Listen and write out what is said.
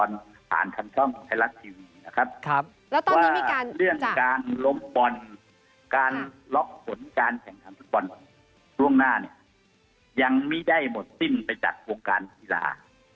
ช่วงหน้าเนี่ยยังไม่ได้หมดสิ้นไปจากวงการกีฬา